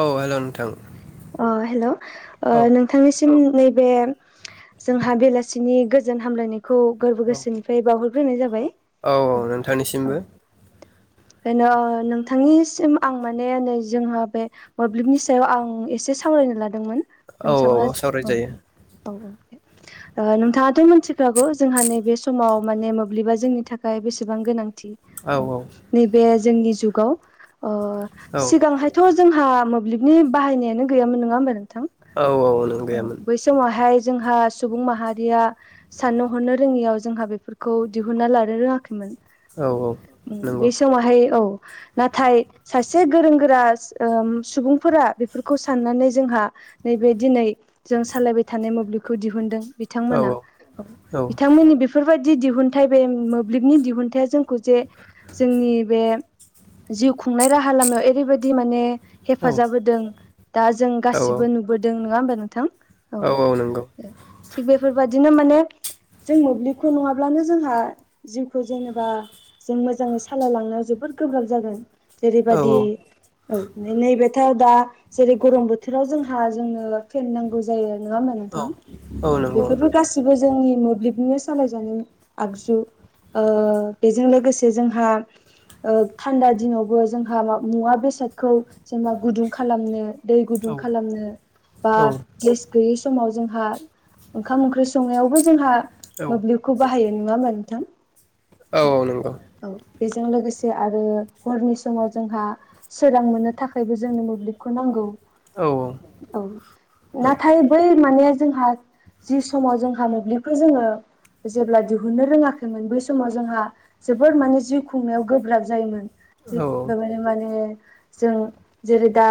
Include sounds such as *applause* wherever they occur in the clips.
औ हेलौ *unintelligible* औ हेलौ ओ नोंथांनिसि सिम नैबे जोंहा बेलासिनि गोजोन हामलायनाय खौ गोरबो गोसोनिफ्राय बावहरग्रोनाय। बावहरग्रोनाय जाबाय। औ औ नोंथांनिसिमबो। ओ नोंथांनिसिम आं माने नै जोंहा बे मोब्लिबनि सायाव आं एसे सावरायनो लादों। लादोंमोन औ औ नोंथाङा। औ सावरायजायो औ औ नोंथाङाथ मिथिखागौ जोंहा नैबे समाव माने मोब्लिबा जोंनि थाखाय बेसेबां गोनांथि। औ गोनांथि औ। नैबे जोंनि जुगाव। ओ औ सिगांहायथ। जोंहा मोब्लिबनि बाहायनायानो गैयामोन नङा होमबा नोंथां। औ नों औ गैयामोन बै समावहाय। जोंहा सुबुं माहारिया साननो हरनो रोङियाव जोंहा बेफोरखौ दिहुनना लानो रोङाखैमोन। औ औ ओं। नंगौ बे समावहाय औ नाथाय सासे गोरों गोरा सुबुंफोरा बेफोरखौ साननानै जोंहा नैबे दिनै जों सालायबाय थानाय मोब्लिबखौ दिहुनदों। औ बिथांमोना औ बिथांमोननि बेफोरबायदि जि दिहुनथाइ बे मोब्लिबनि दिहुनथाइ जों खौजे बे जिउ खुंनाय राहा लामायाव ओरैबायदि माने हेफाजाब होदों दा जों औ गासिबो नुबोदों नङा होमबा। नोंथां। औ थिग बेफोरबादिनो नो जों मोब्लिबखौ नङाब्लानो जोंहा जिउखौ जेनेबा जों मोजाङै साालाय लांनायाव जोबोद गोब्राब जागोन। औ जेरैबादि औ नैबेथ' दा जेरै गरम बोथोराव जोंहा जोंनो फेेन नांगौ जायो। नङा होनबा औ नोंथां औ नंगौ बेफोरो गासिबो जोंनि मोब्लिबनो सालायजानाय आगजु बेजों लोगोसे जोंहा थान्दा दिनावबो जोंहा मुवा बेसादखौ जेनेबा गुदुं खालामनो। दै औ गुदुं नंगौ औ खालामनो बा गेस गैयै समाव जों जोंहा ओंखाम ओंख्रि संनायावबो जोंहा औ मोब्लिबखौ बाहायो नङामोन। थां औ औ नंगौ बेजों लोगोसे आरो हरनि समाव जोंहा सोरां मोननो थाखायबो जोंनो मोब्लिबखौ नांगौ औ औ नाथाय बै माने जोंहा जि समाव जोंहा मोब्लिबखौ जोङो जेब्ला दिहुननो रोङाखैमोन बै समाव जोंहा जोबोर माने जिउ खुंनायाव गोब्राब जायोमोन *unintelligible* जों जेरै दा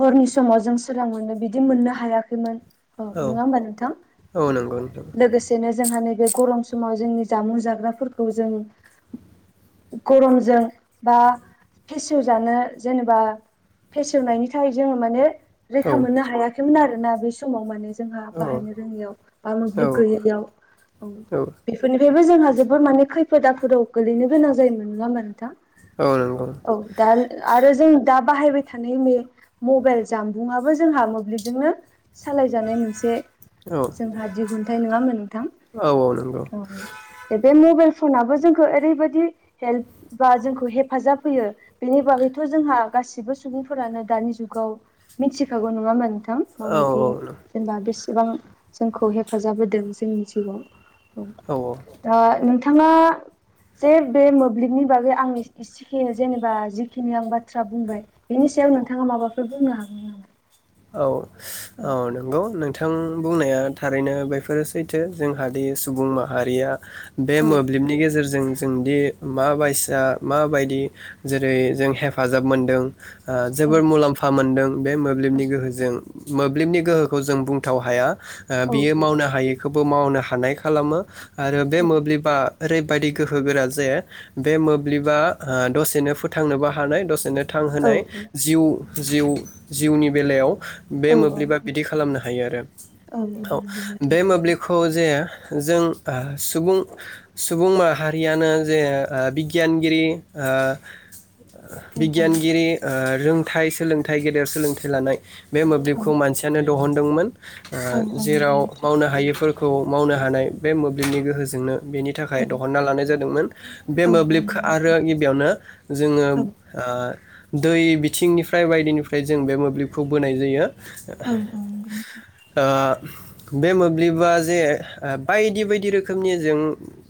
हरनि समाव जों सोरां मोनो बिदि मोननो हायाखैमोन औ नङा होमबा नोंथां औ नंगौ औ नंगौ लोगोसेनो जोंह न बे गरम समाव जोंनि जामुं जाग्राफोरखौ जों गरमजों बा फेसेवजानो जेनेबा फेसेवनायनि थाखाय जोङो माने औ रैखा मोननो हायाखैमोन आरो ना बे समाव माने जोंहा बाहायनो रोङियाव बा मोब्लिब बेफोरनिफ्रायबो जोंहा जोबोद माने खैफोद आफोदाव गोलैनो गोनां जायोमोन नङा होमबा नोंथां औ दा आरो जों दा बाहायबाय थानाय मे-मबाइल जामबुंआबो जोंहा मोब्लिबजोंनो सालायजानाय मोनसे जोंहा दिहुनथाइ नङामोन नोंथां औ दे बे मबाइल सनाबो जों ओरैबायदि हेल्प बा जोंखौ हेफाजाब होयो बेनि बागैथ' जोंहा गासिबो सुबुंफोरानो दानि जुगाव मिथिखागौ नङाहोमबा नों माबायदि जेनेबा बेसे एसेबां जोंखौ हेफाजाब होदों जोंनि जिउआव औ दा न बिथाङा जे बे मोब्लिबनि बागै आं इसिखिनि जेनेबा जिखिनि आं बाथ्रा बुंबाय बेनि सायाव नोंथाङा माबाफोर बुंनो हागोन नामा औ-औ नंगौ नों बिथां बुंनाया थारैनो बेफोर सैथो जोंहादि सुबुं माहारिया बे औ मोब्लिबनि गेजेरजों जोंदि माबायसिया माबायदि जेरै जों हेफाजाब मोनदों ओ औ जोबोर मुलाम्फा मोन्दों बे मोब्लिबनि गोहो मोब्लिबनि गोहोखौ जों बुंथाव हाया ओ औ बियो मावनो हायिखौ बो मावनो हानाय खालामो आरो बे औ मोब्लिबा ओरैबायदि गोहो गोरा जे बे मोब्लिबा ओ दसेनो फोथांनोबो हानाय दसेनो फोथांहोनाय औ जिउ जिउ जिउनि बेलायाव बे औ मोब्लिबा औ बिदि खालामनो हायो आरो। नंगौ औ नोंथां बे मोब्लिबखौ जे जों आ सुबुं सुबुंमा हारियानो जे ओ बिगियानगिरि ओ औ बिगियानगिरि ओ रोंथाइ सोलोंथाइ गेदेर सोलोंथाइ लानाय बे औ मोब्लिबखौ मानसियानो दहन दंमोन। औ ओ नंगौ जेराव नोंथां मावनो हायिफोरखौ मावनो हानाय बे मोब्लिबनि गोहोजोंनो बेनि थाखाय औ दहनना लानाय जादोंमोन। बे औ औ मोब्लिबखो नंगौ आरो नोंथां गिबियावनो जोङो औ ओ दै बिथिंनिफ्राय बायदिनिफ्राय जों बे मोब्लिबखौ बोनाय जायो। औ नंगौ नोंथां ओ बे मोब्लिबा जे ओ बायदि बायदि रोखोमनि जों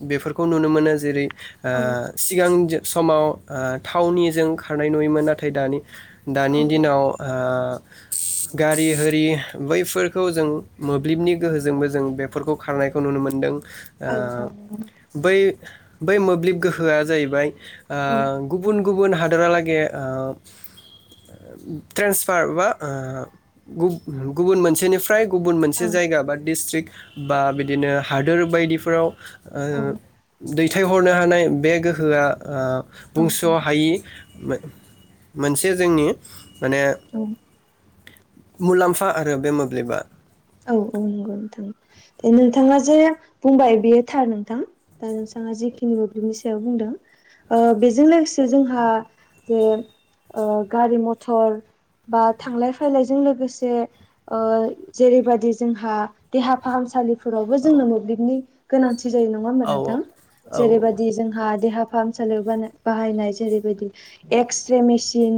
बेफोरखौ नुनो मोनो। जेरै औ ओ सिगां जो समाव ओ थावनिजों खारनाय नुयोमोन नाथाय दानि औ दानि दिनाव ओ गारि होरि बैफोरखौ जों मोब्लिबनि गोहोजोंबो जों बेफोरखौ खारनायखौ नुनो मोनदों। औ नंगौ नोंथां औ ओ बै बै मोब्लिब गोहोआ जाहैबाय औ ओ गुबुन गुबुन हादरहालागे ओ ट्रेन्सफार बा ओ गुब-गुबुन मोनसेनिफ्राय गुबुन मोनसे जायगा बा डिस्ट्रिक्ट बा बिदिनो हादोर बायदिफोराव आरो दै थायहरनो हानाय बे गोहोआ ओ औ बुंस' हायि मो मोनसे जोंनि माने औ मुलाम्फा आरो बे मोब्लिबा। औ औ नंगौ नोंथां दे नोंथाङा जे बुंबाय बेयो थार नोंथां दा नोंथाङा जिखिनि मोब्लिबनि सायाव बुंदों ओ बेजों लोगोसे जोंहा जे ओ गारि मथर बा थांलाय फैलायजों लोगोसे ओ जेरैबायदि जोंहा देहा फाहामसालि फोरावबो औ जोंनो मोब्लिबनि गोनांथि जायो नङा होनबा औ नोंथां औ जेरैबादि जोंहा देहा फाहामसालियाव बानाय-बाहायनाय जेरैबायदि एक्सरे मेसिन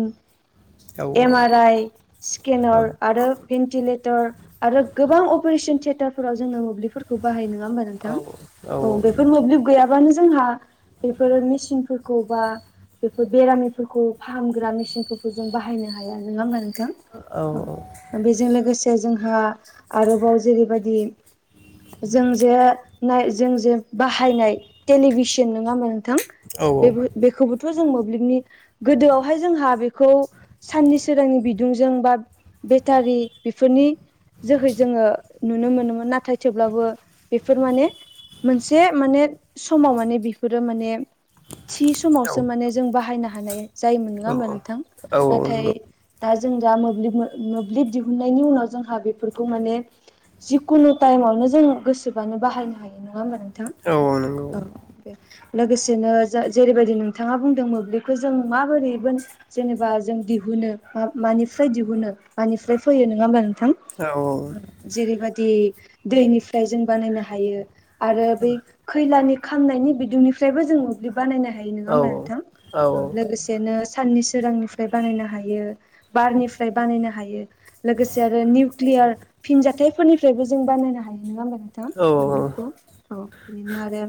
औ एम आर आइ स्केनार आरो भेन्टिलेटर आरो गोबां अपारेशन थियेटार फोराव जोंनो मोब्लिबफोर खौ बाहायो होमबा नोंथां औ बेफोर मोब्लिब गैयाब बानो जोंहा बेफोर मेसिनफोरखौ बा बेफोर बेरामिफोरखौ फाहामग्रा मेसिनफोरखौ जों बाहायनो हाया नङा होमबा नोंथां? बिथां औ बेजों लोगोसे जों आरोबाव जेरैबायददि जों जेनाय जों जे बाहायनाय टेलिभिसन नङामोन थां औ बेबो -बेखौबोथ' जों मोब्लिबनि गोदोआवहाय जोंहा बेखौ साननि सोरांनि बिदुंजों बा बेटारि बेफोरनि जोहै जोङो नुनो मोनोमोन नाथाय थेवब्लाबो बेफोर माने मोनसे माने समाव माने बेफोरो माने थि समावसो माने जों बाहायनो हा हानाय जायोमोन नङा औ होमबा नोंथां औ औ नाथाय नंगौ दा जों दा मोब्लिब मो मोब्लिब दिहुननायनि उनाव जोंहा बेफोरखौ माने जिखुनु टाइमावनो जों गोसोबानो बाहायनो हायो नङा होमबा नों थां औ दे लोगोसेनो ज जेरैबायदि नोंथाङा बुंदों मोब्लिबखौ जों माबोरैबो जेनेबा जों दिहुनो मामानिफ्राय दिहुनो मानिफ्राय फैयो नङा होमबा नोंथां औ जेरैबायाददि दैनिफ्राय जों बानायनो हायो आरो बै खैलानि खामनायनि बिदुंनिफ्रायबो जों मोब्लिब बानायनो हायो नङा औ होमबा नोंथां औ लोगोसेनो साननि सोरांनिफ्राय बानायनो हायो बारनिफ्राय बानायनो हा हायो लोगोसे आरो निउक्लियार फिनजथायाइफोरनिफ्रायबो जों बानायनो हायो नङा होमबा नोंथां औ औ मोब्लिबखौ औ बिदिनो आरो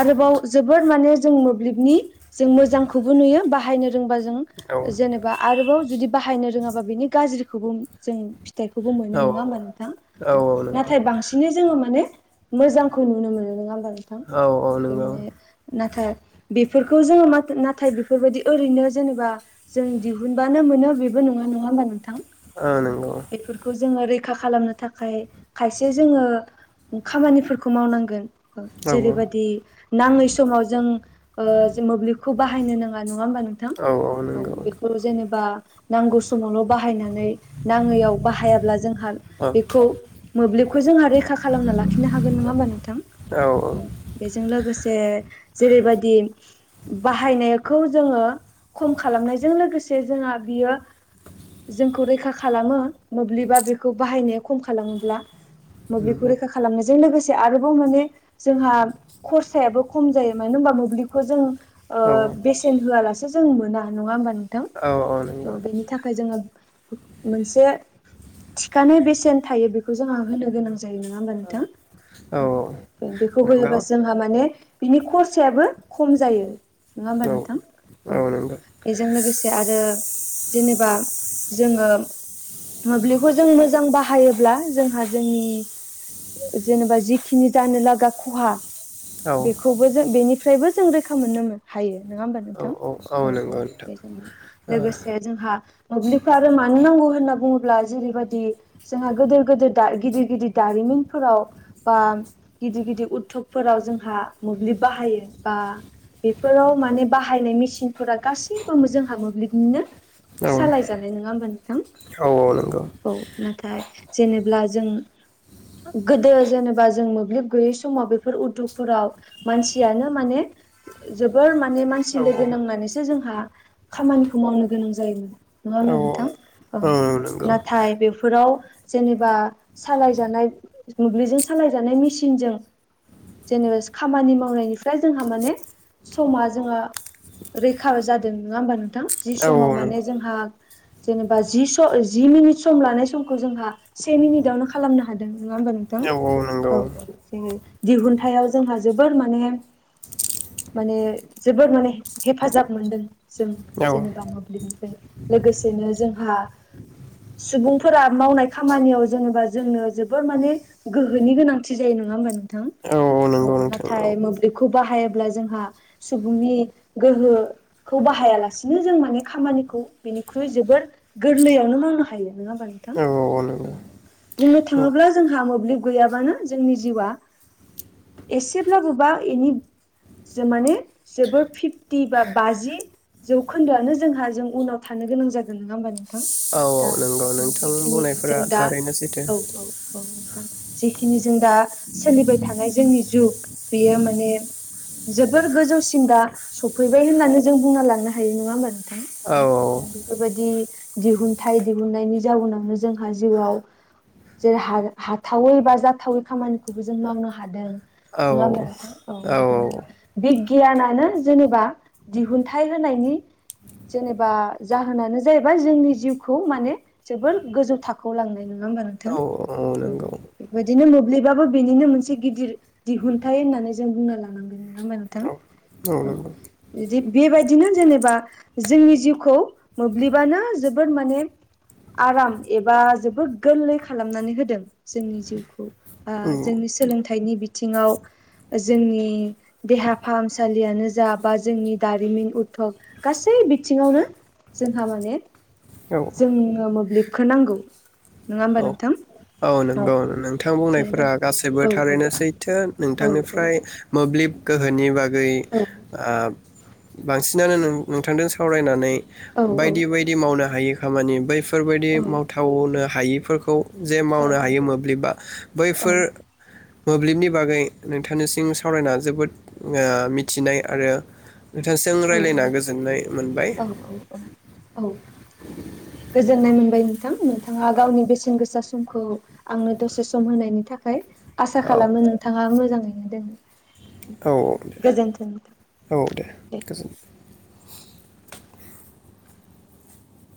आरोबाव जोबोर माने जों मोब्लिबनि जों मोजांखौबो नुयो बाहायनो। जोंबाजों जेनेबा आरोबाव जुदि बाहायनो रोंआ। बा बिनि गाज्रि सुबुं जों फिथाइखौबो मोनो औ नङा होमबा नोंथां औ नाथाय बांसिनै जोङो माने। मोजांखौ नुनो मोनो नङा होम। औ औ नंगौ *inaudible* बेफोरखौ जोङो म-नाथाय बेफोरबायाददि ओरैनो जेनेबा जों दिहुनबानो मोनो बेबो नङा नङा होमबा नोंथां। औ नंगौ बेफोरखौ जोङो रैख रैखा खालामनो थाखाय खायसे जोङो खामानिफोरखौ मावनांगोन। औ जेरैबायदि नाङै समाव जों ओ-जों मोब्लिबखौ। बाहायनो नाङा नङा होमबा नोंथां औ औ नंगौ बेखौ जेनेबा। नांगौ समावल बाहाय। नाङैयाव बाहायाब्ला जोंहा औ बेखौ मोब्लिबखौ जोंहा रैखा खालामना लाखिनो हागोन नङा होमबा नोंथां औ औ औ बेजों लोगोसे जेरैबायदि बाहायनाया। खौ जोङो खम खालामनायजों लोगोसे जोंहा बियो जोंखौ रैखा। खालामो मोब्लिबा बेखौ बाहायनाया खम खालामोब्ला। मोब्लिबखौ नंगौ रैखा खालामनो। जों लोगोसे आरोबाव माने जोंहा खरसायाबो खम जायो मानो होनबा मोब्लिबखौ जों। औ औ नंगौ औ ओ-बेसेन होआलासे। जों मोना नङा होनबा औ नंगौ नों। बेनि थाखाय जोङो। *unintelligible* मोनसे थिखानाय बेसेन थायो बेखौ जोंहा होननो गोनां। जायो नङा होमबा नोंथां औ नंगौ नोंथां औ औ बेखौ नंगौ होयोबासो जोंहा माने। बिनि खरसायाबो खम जायो। नङा होमबा औ औ नोंथां औ एजों लोगोसे आरो। जेनेबा। जोङो। मोब्लिबखौ जों मोजां बाहायोब्ला जोंहा जोंनि जेनेबा जिखिनि। जानो लागा खहा। बेखौबो जों बेनि फ्रायबो जों रैखा मोननो हायो। नङा होमबा नोंथां उम उम बेजों लोगोसे जोंहा मोब्लिबखौ आरो। मानो नांगौ होनना बुङोब्ला जेरैबादि जोंहा गोदोर गिदोर दारि गिदिर गिदिर दारिमिन फोराव बा गिदिर गिदिर उद्धग फोराव जोंहा मोब्लिब बाहायो बा बेफोराव माने बाहायनाय मेसिनफोरा गासैबो जोंहा मोब्लिबनिनो। सालाय जानाय नङा होनबा? औ नाथाय जेनेबा जों गोदो जेनेबा जों मोब्लिब गैयै समाव बेफोर उद्धग फोराव मानसियानो माने जोबोर माने मानसि लोगो नांनानैसो जोंहा खामानिखौ मावनो गोनां जायोमोन नङा होनबा नोंथां? औ नाथाय बे फोराव जेनेबा सालाय जानाय मोब्लिजों सालाय जानाय मेसिनजों जेनेबा खामानि मावनाय निफ्राय जोंहा माने समा जोंहा रैखा जादों नङा होमबा नोंथां जि समाव माने जोंहा जेनेबा बा जि जि मिनिट सम लानाय समखौ जोंहा से मिनिटावनो खालामनो हादों नङा होमबा नोंथां औ औ दिहुनथायाइाव जोंहा जोबोर माने माने जोबोर माने हेफाजाब मोनदों। जों जेनेबा मोब्लिबनि लोगोसेनो जों जोंहा सुबुंफोरा मावनाय खामानियाव जेनेबा जोंनो जोबोर माने गोहोनि गोनांथि जायो नङा होमबा नोंथां औ नाथाय मोब्लिबखौ बाहायोब्ला जोंहा सुबुंनि गोहो खौ बाहाया लासिनो जों माने खामानिखौ बेनिख्रुइ जोबोर गोरलैयावनो मावनो हायो नङा होमबा नोंथां? औ औ नंगौ बुंनो औ थाङोब्ला जोंहा मोब्लिब गैयाबानो जोंनि जिउआ एसेब्लाबो बा एनि जि माने जोबोर फिफटि बा बाजि जौखोन्दो आनो जोंहा जों उनाव थानो गोनां जागोन नङा होमबा नों थां औ दा नंगौ नोंथां जेखिनि बुंनायफोरा जों दा थारैनो सैथो औ औ औ। जेखिनि जों दा सोलिबाय थानाय जोंनि जुग बेयो माने जोबोर गोजौसिम दा सफैबाय होननानै जों बुंना लांनो हायो नङा होमबा नों थां औ बेफोरबायदि दिहुनथाइ दिहुननायनि जाउनावनो जोंहा जिउआव जेरै हा हाथावै बा जाथावै खामानि खौबो जों मावनो हादों औ नङा होमबा? थां औ बिदिनो बिगियानानो जेनेबा दिहुनथाइ होनायनि जेनेबा जाहोनानो जे बा जोंनि जिउखौ माने जोबोर गोजौ थाखोआव लांनाय नङा होमबा नोंथां? औ औ उम नंगौ बेदिनो मोब्लिबाबो बेनिनो मोनसे गिदिर दिहुनथाइ होननानै जों बुंना लानांगोन नङा होमबा नोंथां? औ औ इदि बेबायदिनो जेनेबा जोंनि जिउखौ मोब्लिब बानो जोबोर माने आराम एबा जोबोर गोरलै खालामनानै होदों जोंनि जिउखौ बा जोंनि सोलोंथाइनि बिथिङाव जोंनि देहा फाहामसालियानो जा बा जोंनि दारिमिन उद्घग गासै बिथिङावनो जों हा माने औ जोंनि नो मोब्लिबखो नांगौ नङा होमबा नोंथां? औ नंगौ नोंथां बुंनाय जेनेबा फोरा गासैबो औ थारैनो सैथो औ नोंथां औ निफ्राय मोब्लिब गोहोनि बाग गै औ आ बांसिनानो नों नोंथांदो सावराय नानै औ बायदि बायदि मावनो हायो। खामानि बैफ फोरबायदि औ माव थावनो हायि फोरखौ जे मावनो हायो मोब्लिबा औ बैफोर मोब्लिबनि बागै नोंथांनिसिम सावरायना जोबोद ओ मिथिनाय आरो नोंथांजों औ औ रायलायना गोजोननाय मोनबाय। औ औ औ। गोजोननाय मोनबाय नोंथां नोंथाङा गावनि बेसेन गोसा समखौ आंनो दसे सम होनायनि थाखाय आसा औ खालामो नोंथाङा मोजाङैनो दंं औ दे गोजोनथों नोंथां औ दे। गोजोन